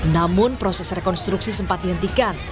namun proses rekonstruksi sempat dihentikan